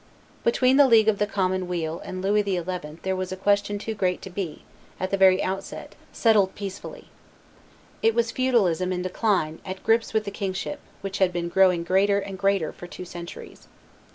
Between the League of the Common Neal and Louis XI. there was a question too great to be, at the very outset, settled peacefully. It was feudalism in decline at grips with the kingship, which had been growing greater and greater for two centuries.